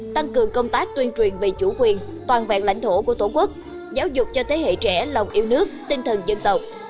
tăng cường công tác tuyên truyền về chủ quyền toàn vẹn lãnh thổ của tổ quốc giáo dục cho thế hệ trẻ lòng yêu nước tinh thần dân tộc